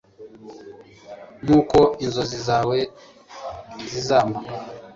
nkuko inzozi zawe zizima